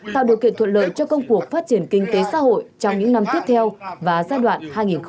tạo điều kiện thuận lợi cho công cuộc phát triển kinh tế xã hội trong những năm tiếp theo và giai đoạn hai nghìn hai mươi một hai nghìn hai mươi năm